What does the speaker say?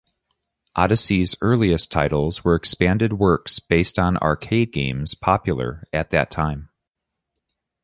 Odyssey's earliest titles were expanded works based on arcade games popular at that time.